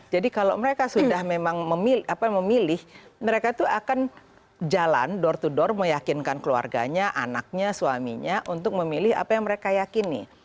jadi kalau mereka sudah memang memilih mereka itu akan jalan door to door meyakinkan keluarganya anaknya suaminya untuk memilih apa yang mereka yakini